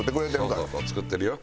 作ってるよ。